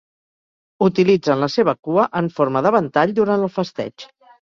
Utilitzen la seva cua en forma de ventall durant el festeig.